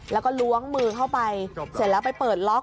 แล้วก็ล้วงมือเข้าไปเสร็จแล้วไปเปิดล็อก